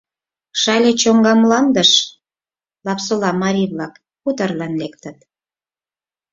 Шале чоҥга мландыш Лапсола марий-влак хуторлан лектыт.